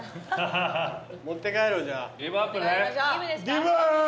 ギブアップね。